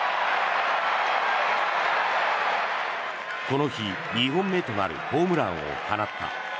この日２本目となるホームランを放った。